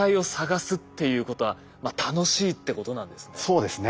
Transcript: そうですね。